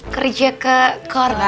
kerja ke korea